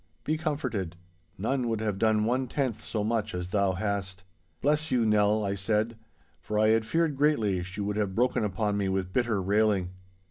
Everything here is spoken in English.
Be comforted. None would have done one tenth so much as thou hast.' 'Bless you, Nell!' I said, for I had feared greatly she would have broken upon me with bitter railing.